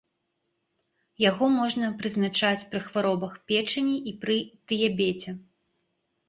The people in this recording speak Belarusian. Яго можна прызначаць пры хваробах печані і пры дыябеце.